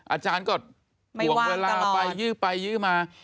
อาจารย์ก็ห่วงเวลาไปยื้อไปยื้อมา